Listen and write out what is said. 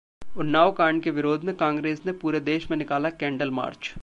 उन्नाव कांड के विरोध में कांग्रेस ने पूरे देश में निकाला ‘कैंडल मार्च’